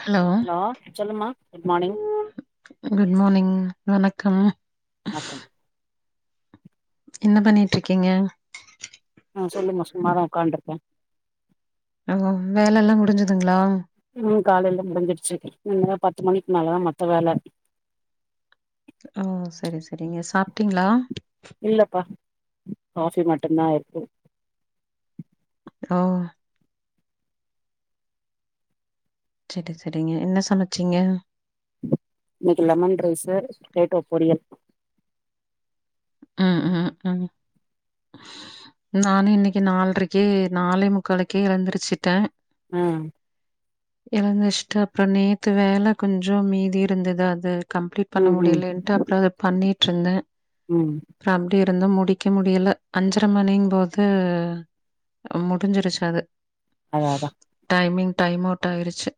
Hello சொல்லுமா good morning good morning வணக்கம் ணக்கம் என்ன பண்ணிட்டு இருக்கீங்க ஆ சொல்லுமா சும்மாதா உட்காண்ருக்கே அங் ஒங் வேலல்லா முடிஞ்சுதுங்களா ம் காலேல முடிஞ்சிரிச்சு இனிமேதா பத்து மணிக்மேலதா மத்த வேல ஓ செரி செரிங்க சாப்டீங்களா இல்லப்பா காஃப்பி மட்டு தா ஆயிருக்கு ஆஹ சரி சரிங்க என்ன சமச்சிங்க இன்னிக்கு லெமன் ரைஸு டேட்டோ பொரியல் ம்ம்ம் நானு இன்னக்கி நால்ரெக்கே நாலே முக்காலுக்கே எழுந்துருச்சுட்டே ஆ எழுந்துஷ்ட்டு அப்ற நேத்து வேல கொஞ்சும் மீதி இருந்தது அது கம்ப்ளீட் பண்ண ம் ம் முடியலென்ட்டு அப்றோ அத பண்ணீட்ருந்தே ம் ப்ரம்டி இருந்து முடிக்க முடியல அஞ்ச்ர மணின் போது உம் முடிஞ்சிருச்சு அது அதா அதா டைமிங் டைம் அவுட் ஆயிருச்சு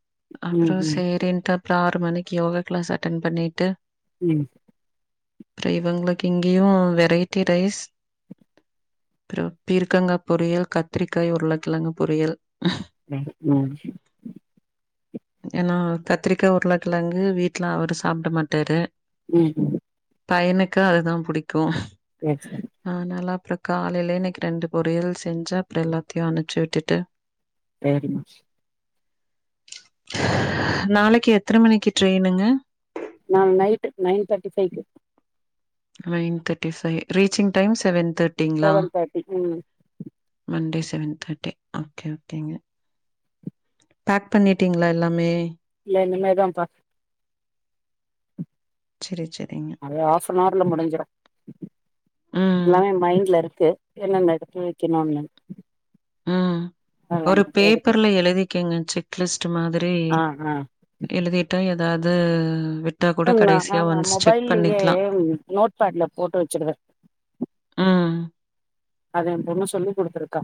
ம் அப்றோ ம் சேரின்ட்டு ப்றாறு மணிக்கி யோகா க்ளாஸ் அட்டன் பண்ணிட்டு ம் ப்ரீவங்ளுக் இங்கியு வெரைட்டி ரைஸ் ப்றோ பீர்க்கங்கா பொரியல் கத்திரிக்காய் உருளக்கெழங்கு பொரியல் உம் உம் ஏன்னா கத்திரிக்கா உருளக்கழங்கு வீட்ல அவரு சாப்ட மாட்டாரு ம்ம் பையனுக்கு அதுதா புடிக்கு ஏன்ச்சுத அ நல்லா அப்ற காலைலே இன்னிக்கு ரெண்டு பொரியல் செஞ்ச அப்றோ எல்லாத்தையு அனுச்சி விட்டுட்டு வேரிமச் நாளைக்கி எத்தன மணிக்கி ட்ரெயினுங்க நாள் நைட்டு நைன் தட்டி ஃபைக்கு ஹைன் தட்டி ஃபை ரீச்சிங் டைம் செவன் தட்டிங்ளா செவன் தேர்ட்டி ம் மண்டே செவன் தட்டி ஓகே ஓகேங்க பாக் பண்ணிட்டீங்ளா எல்லாமே இல்ல இனிமே தாம்ப்பா செரி செரிங்க ஏ ஹாஃபன் ஹார்ல முடிஞ்சிரு ம், எல்லாமே மைண்ட்ல இருக்கு என்னென்ன எடுத்து வெக்கணுனு ம் ஒரு மட்டு எடுத்து பேப்பர்ல எழுதி க்கேங்க செக் லிஸ்ட்டு மாதிரி ஆ ஆ எழுதிட்டா ஏதாது வெட் அன்னா ஆமா மொபைல்லியே நோட்பாட்ல போட்டு வச்சிடுவே ம், அது எம் பொண்ணு சொல்லி் குடுத்துருக்கா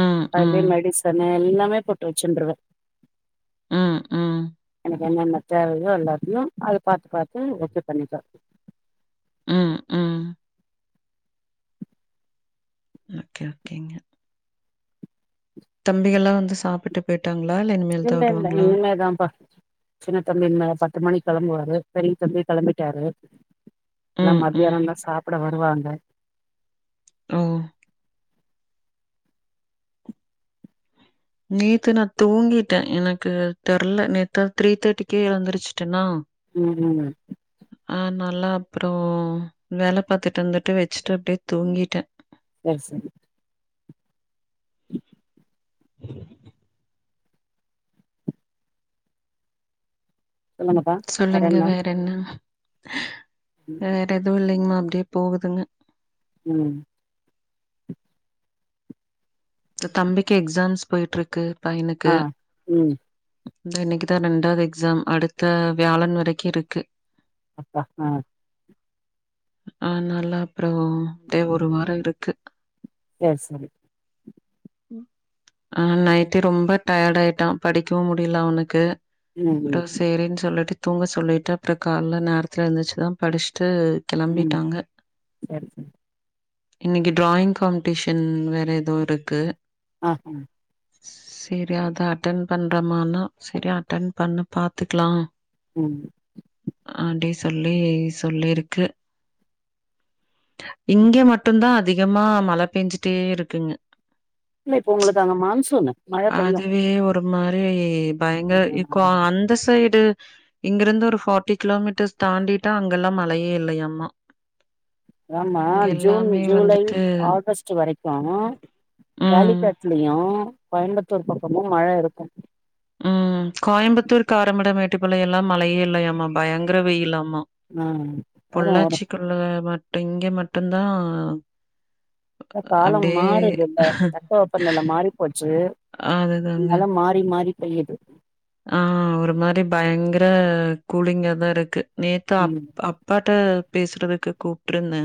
ம், அய்லே ம், மெடிசனு எல்லாமே பொட் ட்டு வச்சின்றுவே ம் ம் என்னென்ன தேவையோ எல்லாத்தையு அத பாத்து பாத்து ஓகே பண்ணிக்க ம் ம் ஆகே ஓகேங்க தம்பிகள்ல்லா வந்து சாப்பிட்டு போய்ட்டாங்ளா இல்ல இனிமே இல்ல இல்ல இனிமே தான்ப்பா சின்ன தம்பி மே பத்து மணிக்கு கெளம்புவாரு பெரிய தம்பி கெளம்பிட்டாரு எல்லா ம், ம். மத்தியானந்தா சாப்ட வருவாங்க ம் நேத்து நா தூங்கிட்டே எனக்கு தெர்ல நேத்தா த்ரீ தேட்டிக்கே எழுந்துருச்சுட்டனா ம் ம் ஆ நல்லா அப்புறோ வேல பாத்துட்டு வந்துட்டு வச்சிட்டு அப்டியே தூங்கிட்டே சரி சரி ம் சொல்லுங்கப்பா சொல்லுங்க வேற என்ன வேற எதுவு இல்லேங்ம்மா அப்டியே போகுதுங்க ம் இந்த தம்பிக்கு எக்ஸாம்ஸ் போயிட்டு இருக்கு ஆ பையனுக்கு ம் இந்தா இன்னெக்குதா ரெண்டாவது எக்ஸாம் அடுத்த வியாழன் வரைக்கி இருக்கு அப்பா அ ஆனால அப்புறோ இதே ஒரு வார இருக்கு எ சரி ஆ நைட்டு ரொம்ப டயர்ட் ஆயிட்டா படிக்கவு முடியல அவனுக்கு ம் அப்றோ ம் சேரின் சொல்லிட்டு தூங்க சொல்லிட்டு அப்ற கால்ல நேரத்துல எந்திச்சுதா படிச்ட்டு ம் கெளம்பிட்டாங்க சரி சரி இன்னைக்கு டிராயிங் காம்படிஷன் வேற ஏதோ இருக்கு ஆஹ சரி அத அட்டன் பண்றமானா சரி அட்டன் பண்ணு பாத்துக்கலா ம் அடி சொல்லி சொல்லிருக்கு இங்க மட்டுந்தா அதிகமா மழ பெஞ்சுட்டே இருக்குங்க இல்ல இப்ப உங்களுக்கு அங்க மான்சூனு மழ பெய்யு அதுவே ஒரு மாரி பயங்கர இருக்கோ ஆ அந்த சைடு இங்கிருந்து ஒரு ஃபாட்டி கிலோமீட்டர்ஸ் தாண்டிட்டா அங்கெல்லா மழையே இல்லையாம்மா ஆமா ஜூன் எல்லாமே ஜூலை வந்துட்டு ஆகஸ்ட் சு வரைக்கு ம் காலிக்கேட்லயு கோயம்புத்தூர் பக்கமு மழ இருக்கு ம் கோயம்புத்தூர் காரமட மேட்டுபாளைய எல்லா மழையே இல்லையாமா பயங்கர வெயிலாமா ஆ வரு வரு பொள்ளாச்சிக்குள்ள மட்டு இங்க மட்டுந்தா இல்லப்பா நம்ம மாறுதுல அப்டியே தட்ப வெப்ப நெல மாறி போச்சு அதுதாங்க. அதால மாறி மாறி பெய்யுது ஆ ஒரு மாரி பயங்கர கூலிங்கா தா இருக்கு நேத்து அப் ம் அப் அப்பாட்ட பேசுறதுக்கு கூப்பிடுருந்தே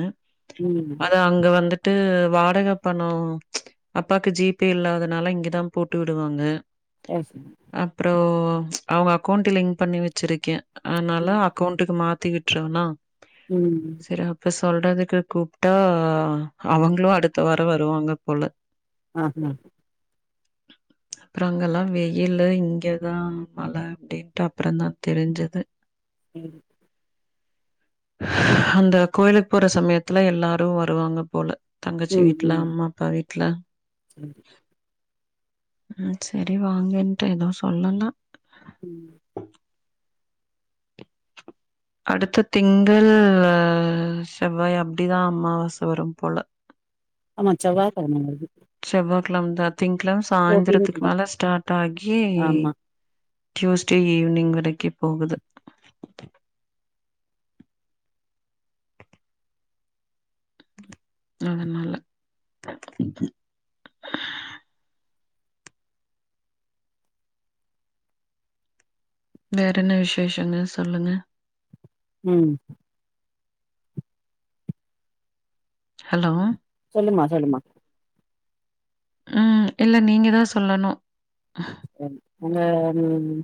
ம் அது அங்க வந்துட் ட்டு வாடக பணம் அப்பாக்கு ஜிபே இல்லாதனால இங்கதா போட்டு விடுவாங்க சரி அப்றோ அவங்க அக்கௌண்ட லிங்க் பண்ணி வச்சிருக்கே அதனால அக்கௌண்ட்டுக்கு மாத்திட்டு விட்றுவனா ம் சரி அப்ப சொல்றதுக்கு கூப்ட்டா அவங்களு அடுத்த வார வருவாங்க போல ஆ அப்ற அங்கல்லா வெயிலு இங் இங்கதா மழ அப்டின்ட்டு அப்றந்தா தெரிஞ்சது ம் அந்த கோயிலுக்கு போற சமயத்துல எல்லாரு வருவாங்க போல தங்கச்சி ம் வீட்ல அம்மா அப்பா வீட்ல ம் ம் சரி வாங்கன்ட்ட எதுவு சொல்லல ம் அடுத்த திங்கள் செவ்வாய் அப்டிதா அம்மாவாச வரும் போல ஆமா செவ்வாகெழம வருது செவ்வாகெழமதா திங்க்கெழம சாயந்திரத்துக்கு ஃபோர்டீன்த்துதா மேல ஸ்டார்ட் ஆகி ஆமா டியூஸ்டே ஈவினிங் வரைக்கு போகுது அதனால வேறென்ன விசேஷங்க சொல்லுங்க ம் ஹலோ சொல்லுமா சொல்லுமா ம் இல்ல நீங்கதா சொல்லணு ஒங்க ம்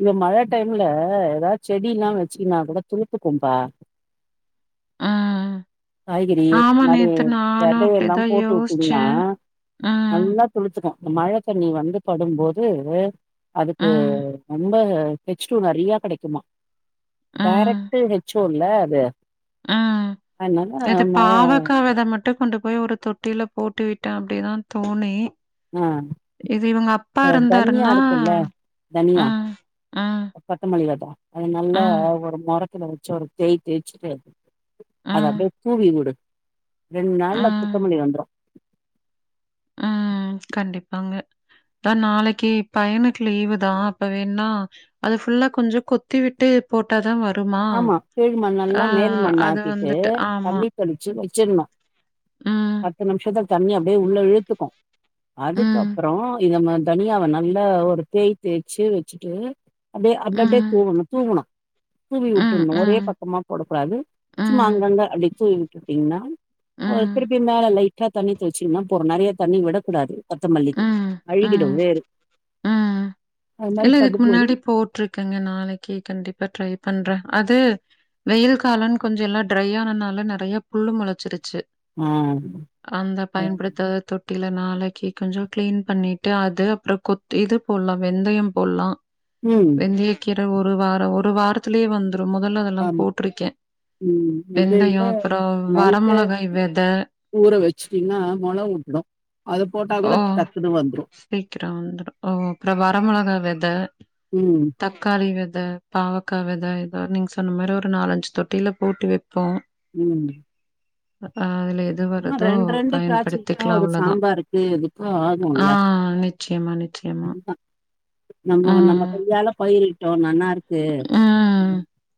இங்க மழ டைம்ல எதா செடில்லா வச்சீன்னா கூட துளுத்துக்கும்பா ம் காய்கறி ஆமா மாரி நேத்து நானு வெதையெல்லா அப்டிதா போட்டு யோசிச்சே. வுட்டீங்ன்னா ம் நல்லா துளுத்துக்கு இந்த மழ தண்ணி வந்து படும்போது து அதுக்கு ம் ரொம்ப ஹெச் டூ நெறையா கெடைக்குமா டேரக்ட்டு ஹெச் ஒ ல்ல அது அ அதனால இது மழ பாவக்கா வெத மட் டு கொண்டு போய் ஒரு தொட்டில போட்டு விட்டே அப்டிதா தோணி ஆ இது இவங்க அப்பா இந்த தனியா இருந்தாருன்னா இருக்குல்ல அ, தனியா அ, கொத்தமல்லி வெத அது நல்ல அ, ஒரு மொற கில வச்சு ஒரு தேய் தேயச்சுட்டு அ, அத அப்டியே தூவி விடு ரெண்டு அ, நாள்ல குத்தமல்லி வந்துரு ம் கண்டிப்பாங்க தா நாளைக்கு பையனுக்கு லீவுதா அப்ப வேணா அது ஃபுல்லா கொஞ்ச கொத்தி விட்டு போட்டா தான் வருமா? ஆமா கீழ்மண் ஆ எல்லா மேல் மண் அது ஆக்கிட்டு வந்துட்டு ஆமா. தண்ணி தெளிச்சு வச்சிருனு ம், பத்து நிமிஷத்துல தண்ணி அப்டியே உள்ள இழுத்துக்கு ம், அதுக்கப்பறோ இதம்ம தனியாவ நல்லா ஒரு தேய் தேய்ச்சு வெச்சுட்டு அப்டே அப்டே அப்டி ம், தூவணு தூவுணு தூவி ம், வுட்டுர்னு ஒரே ம், பக்கமா போடக்கூடாது சும்மா ம், அங்கங்க அப்டி தூவி வுட்டுட்டீங்ன்னா ஒ ம், திருப்பி மேல லைட்டா தண்ணி தொளிச்சிங்ன்னா போறு நெறைய தண்ணி விடக் கூடாது கொத்தமல்லிக்கு ம், அழுகிடு ம், வேர் ம். இல்ல இதுக்கு முன்னாடி போட்டுருக்கங்க நாளைக்கு கண்டிப்பா ட்ரை பண்ற அது வெயில் காலோன் கொஞ்ச எல்லா ட்ரையானனால நெறையா புல்லு மொளைச்சிருச்சு ஆ அந்த பயன்படுத்தாத தொட் டில்ல நாளைக்கு கொஞ்ச கிளீன் பண்ணிட்டு அது அப்ற கொத் இது போல்லா வெந்தயம் போல்லா ம் வெந்தயக்கீர ஒரு வாரோ ஒரு வாரத்திலயே வந்துரு மொதல்ல அதெல்லா ஆமா போட்டுருக்கே ம் வெந்தயத்த வெந்தயோ அப்ரோ நைட்டே வரமொளகாய் வெத ஊற வெச்சுட்டீங்கனா மொள விட்டுரு அதை போட்டா கூட ஓ! டக்குன்னு வந்துரு [unintelligible] ஓ அப்ரோ வரமொளகா வெத ம் தக்காளி வெத பாவக்கா வெத இதோட நீங்க சொன்ன மாரி ஒரு நாலஞ்சு தொட்டில போட்டு வெப்போ ம் ஆதுல எது சும்மா வருதோ ரெண்டு ரெண்டு காய்ச்சதுன்னா பயன்படுத்திக்கலா ஒரு அவ்ளோதா சாம்பாருக்கு இதுக்கு ஆ நிச்சயமா நிச்சயமா நம்மோ நம்ம ம், கையால பயிரிட்டோ நன்னாருக் கு ம்.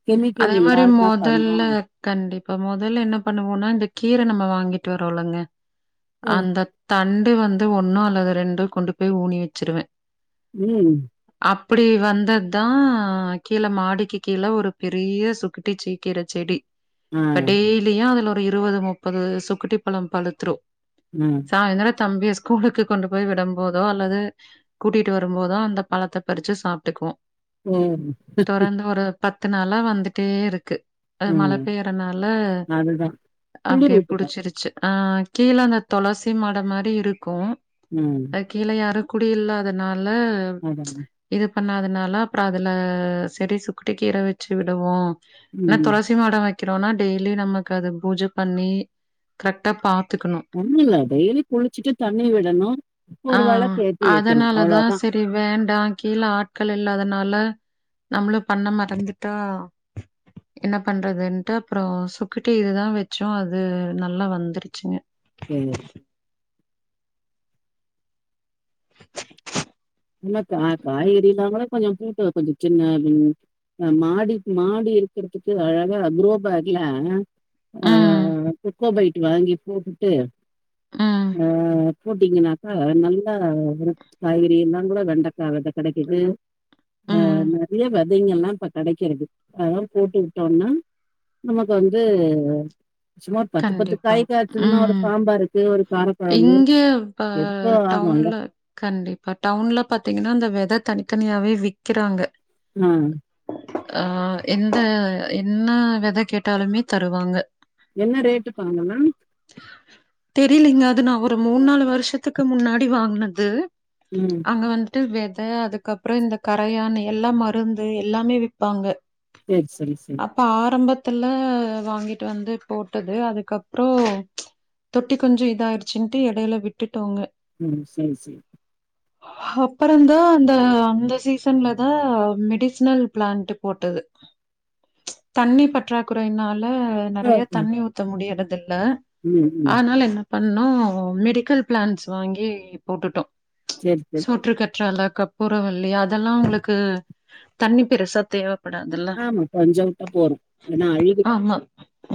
கெமிக்கல் அதே மாரி இல்லாம பண்றோ மொதல்ல கண்டிப்பா மொதல்ல என்ன பண்ணுவோனா இந்த கீர நம்ம வாங்கிட்டு வரோலங்க அந்தத் தண்டு வந்து ஒன்னோ அல்லது ரெண்டு கொண்டு போய் ஊனி வச்சிருவே ம் அப்டி வந்தது தா கீழ மாடிக்கு கீழ ஒரு பெரிய சுக்ட்டிக்சி கீர செடி ஆ இப்ப டெய் ப்டியுயோ அதுல ஒரு இருபது முப்பது சுக்குட்டி பழோ பழுத்துரு ம் சாயந்தர தம்பிய ஸ்கூலுக்கு கொண்டு போய் விடம் போதோ அல்லது கூட்டிட்டு வரும்போதா அந்த பழத்த பறிச்சு சாப்ட்டுக்குவோ உம் தொடர்ந்து ஒரு பத்து நாளா வந்துட்டே இருக்கு அது மழை ம் பெய்யுறானால அதுதா கிளிர் அப்டியே விட்டுப்போ புடிச்சிருச்சி அ கீழ அந்த தொளசி மாடோ மாரி இருக்கு ம் கீழ யாரு குடி இல்லாதனால அதா இது பண்ணாதனால அப்ற அதுல செரி சுக்டி கீர வேச்சு விடுவோ என்னா ம் துளசி மாடோ வைக்கிறோனா டெய்லி நமக்கு அது பூஜை பண்ணி கரெக்டா பாக் ஒண்ணு இல்ல டெய்லி குளிச்சிட்டு தண்ணி விடணு ஒரு வெளக்கு ஏத்தி வைக்கணு அவ்ளோதா டி வேண்டா கீழ ஆட்கள் இல்லாதனால நம்மளு பண்ண மறந்துட்டா என்ன பண்றதுன்ட்டு அப்ரோ சுக்கட்டி இதுதா வேச்சோ அது நல்லா வந்துருச்சுங்க சரியோ இல்ல கா காய்கறி இல்லாமலு கொஞ்ச கூட்டு கொஞ்ச சின்னாப்டின் மாடி மாடி இருக்கிறதுக்கு அழகா க்ரோபேக்ல ம். ஆஹ் குப்ப பக்கிட்டு வாங்கி போட்டுட்டு ம். அஹ் போட்டீங்கன்னாக்கா நல்லா காய்கறி எல்லா துல வெண்டக்கா வெத கெடைக்குது ம். நெறைய வெத தைங்கல்லா இப்ப கெடைக்கிறது அதலா போட்டுவிட்டோம்னா நமக்கு வந்து சும்மா ஒரு பத்து பத்து கண்டிப்பா. காய் காயச்சதுன்னா ஒரு ம். சாம்பாருக்கு ஒரு காரக்கொழம்பு இங்க ப எதுகோ ஆகும்ல டவுன்ல கண்டிப்பா டவுன்ல பாத்தீங்கன்னா இந்த வெத தனித்தனியாவே விக்கிறாங்க ஆ அஹ் எந்த என்ன வெத கேட்டாலுமே தருவாங்க என்ன ரேட்டு பா அங்கல்லா தெரிலிங்க அது நா ஒரு மூ நாலு வருஷத்துக்கு முன்னாடி வாங்குனது ம் அங்க வந்துட்டு வித அதுக்கப்புற இந்த கரையான் எல்லா மருந்து எல்லாமே விப்பாங்க சேர் சரி சரி அப்ப ஆரம்பத்துல வாங்கிட்டு வந்து போட்டது அதுக்கப்புற தொட்டி கொஞ்ச இதாயிருச்சுன்ட்டு இடைல விட்டுட்டோங்க ம் சேரி சேரி அப்பறந்தா அந்த அந்த சீசன்ல தா மெடிசனல் பிளான்ட்டு போட்டது தண்ணி பற்றாக்குறைனால நெறயா தண்ணி ஊத்த முடியறது இல்ல ம் ம் ஆனால் என்ன பண்ணோ மெடிக்கல் பிளான்ஸ் வாங்கி போட்டுட்டோ சேரி சரி சுற்று கற்றாலக்காப் புரவள்ளி அதெல்லா உங்களுக்கு தண்ணி பெருசா தேவப் படாதுல ஆமா கொஞ்சோ விட்டா போறு இல்லன்னா அழுகிடு ஆமா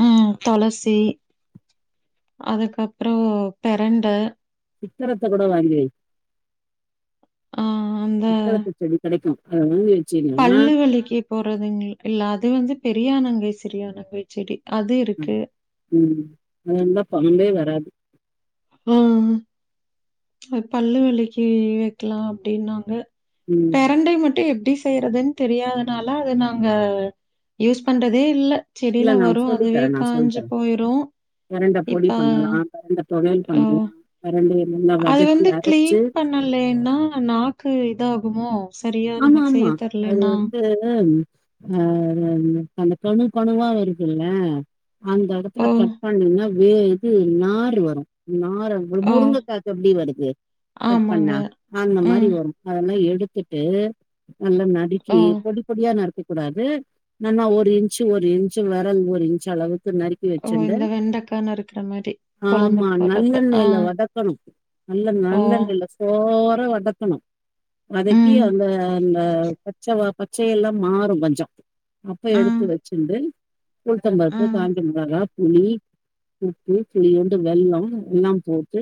ம் தொளசி அதுக்கப்றோ பெரண்ட சித்தரத்த கூட வாங்கி வை ஆ அந்த சித்தரத்த செடி கெடைக்கு அத ஊனி வச்சினா போறதுங்கள இல்ல அது வந்து பெரியானங்கை சிரியானங்கை செடி அது இருக்கு ம் அது இருந்தா பாம்பே வராது ம் அ பல்லுவலிக்கு வக்கலா அப்டினாங்க ம். பெரண்டைய மட்டு எப்டி செய்றதுன் தெரியாதனால அத நாங்க யூஸ் பண்றதே இல்ல இல்ல செடில நான் வரும் அதுவே காஞ்சு போயிரு பெரண்ட பொடி பண்ணலா இந்த தொவயல் அ பண்ணலா பெரண்டைய நல்லா வதக்கி அரச்சு ன்ல்லேனா நாக்கு இது ஆகுமோ ஆமா ஆமா அது வந்து அ அந்த கணு கணுவா வருதுல்ல அந்த எடத்துல ஓ! கட் பண்ணினா வே இது நார் வரு நார ஓ! முருங்கக்காக்கு எப்டி வருது கட் ஆமாங்க. பண்ணா அந்த மாரி ம். வரு அதெல்லா எடுத்து ட்டு நல்லா ஓ! நறுக்கி பொடி பொடியா நறுக் கூடாது நல்லா ஒரு இன்சு ஒரு இன்சு விரல் ஒரு இன்சு அளவுக்கு நறுக் கி ஓ! வச்சுண்டு இந்த வெண்டக்காய் நறுக்குற மாரி, ஆமா குழம்புக்கு போடுறப்ப. ஆ. நல்லெண்ணெயில வதக்கணு நல்லா ஓ! நல்லண்ணெய்ல சோறா வதக்கணு கி ம். அந்த அந்த பச்ச வாப்ப ச்சைய எல்லா மாறு கொஞ்சோ அப்ப எடுத்து ம். வச்சுண்டு உளுத்தம் பருப்பு ம். காஞ்ச மொளகா புளி உப்பு துளியுண்டு வெள்ளோ எல்லாம் போட்டு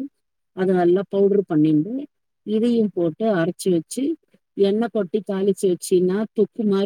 அத நல்லா பவுட்ரு பண்ணிண்டு இதயு போட்டு அரச்சு வச்சு எண்ணெ போட்டி தாளிச்சு வச்சினா தொக்கு மாரி